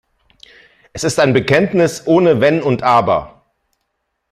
Es ist ein Bekenntnis ohne Wenn und Aber.